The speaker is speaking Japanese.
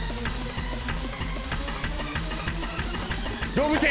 動物園！